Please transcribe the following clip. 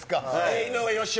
井上芳雄